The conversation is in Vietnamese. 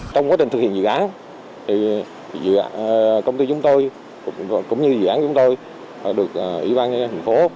trong quá trình thực hiện dự án công ty chúng tôi cũng như dự án chúng tôi được ủy ban nhân dân thành phố